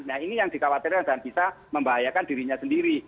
nah ini yang dikhawatirkan dan bisa membahayakan dirinya sendiri